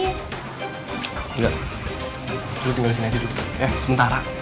enggak lo tinggal disini aja dulu ya sementara